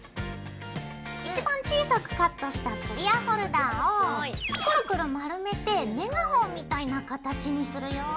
一番小さくカットしたクリアホルダーをクルクル丸めてメガホンみたいな形にするよ。